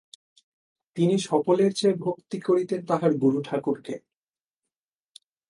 তিনি সকলের চেয়ে ভক্তি করিতেন তাঁহার গুরুঠাকুরকে।